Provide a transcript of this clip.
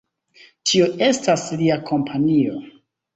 Tio estas lia kompanio.